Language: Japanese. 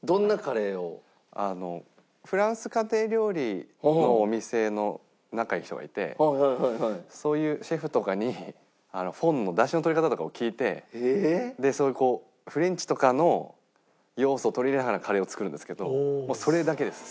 フランス家庭料理のお店の仲いい人がいてそういうシェフとかにフォンの出汁の取り方とかを聞いてそれでフレンチとかの要素を取り入れながらカレーを作るんですけどもうそれだけです。